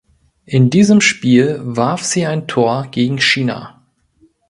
In diesem Spiel warf sie ein Tor gegen China.